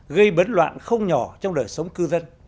gây bấn loạn không nhỏ trong đời sống cư dân